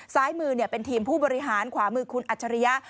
ซ้ายมือเป็นทีมผู้บริหารขวามือคุณอัจฉริยะ